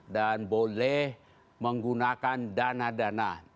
dan boleh menggunakan dana dana